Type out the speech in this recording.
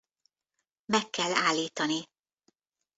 Meg kell állítani!